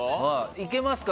行けますか？